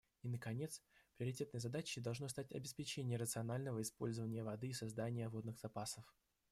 И, наконец, приоритетной задачей должно стать обеспечение рационального использования воды и создания водных запасов.